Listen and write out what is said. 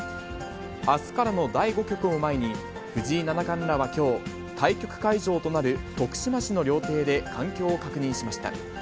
あすからの第５局を前に、藤井七冠らはきょう、対局会場となる徳島市の料亭で環境を確認しました。